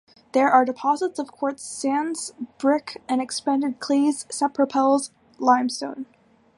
There are deposits of quartz sands, brick and expanded clays, sapropels, limestone.